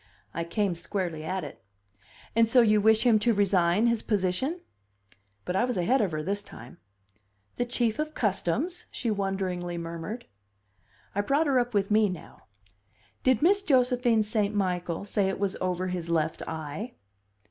I came squarely at it. "And so you wish him to resign his position?" But I was ahead of her this time. "The Chief of Customs?" she wonderingly murmured. I brought her up with me now. "Did Miss Josephine St. Michael say it was over his left eye?"